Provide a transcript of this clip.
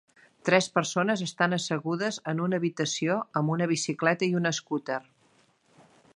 Tres persones estan assegudes en una habitació amb una bicicleta i una escúter.